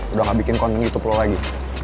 udah gak bikin konten youtube pro lagi